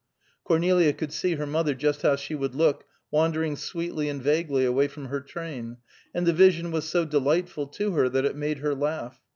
Cornelia could see her mother, just how she would look, wandering sweetly and vaguely away from her train, and the vision was so delightful to her, that it made her laugh.